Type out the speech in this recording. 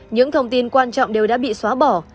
những thông tin quan trọng đều đã bị xóa bỏ